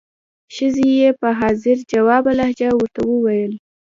ښځې یې په حاضر جوابه لهجه ورته وویل.